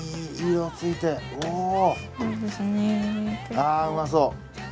ああうまそう。